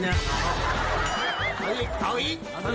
เข้ามาเข้ามา